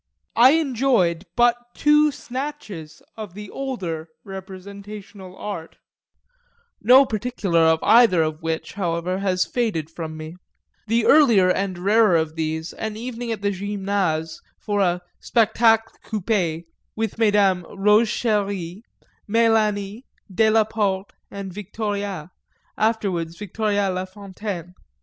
I enjoyed but two snatches of the older representational art no particular of either of which, however, has faded from me; the earlier and rarer of these an evening at the Gymnase for a spectacle coupé, with Mesdames Rose Chéri, Mélanie, Delaporte and Victoria (afterwards Victoria La fontaine).